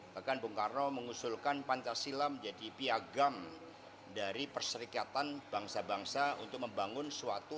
bahkan bung karno mengusulkan pancasila menjadi piagam dari perserikatan bangsa bangsa untuk membangun suatu